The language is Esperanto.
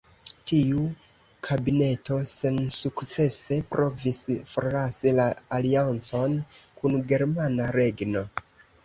Tiu kabineto sensukcese provis forlasi la aliancon kun Germana Regno.